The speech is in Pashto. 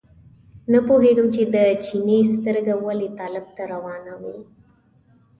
نه پوهېږم چې د چیني سترګه ولې طالب ته ورانه وه.